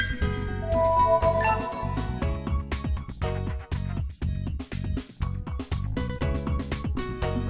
hẹn gặp lại